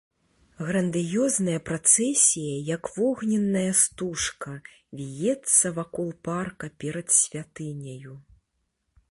Грандыёзная працэсія як вогненная стужка віецца вакол парка перад святыняю.